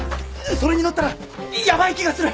それに乗ったらヤバい気がする。